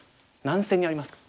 何線にありますか？